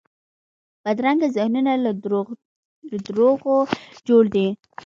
بدرنګه ذهنونه له دروغو جوړ دي